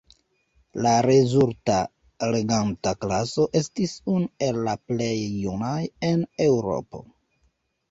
La rezulta reganta klaso estis unu el la plej junaj en Eŭropo.